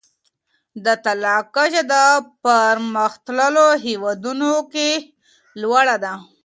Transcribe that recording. د طلاق کچه د پرمختللو هیوادونو کي لوړه ده.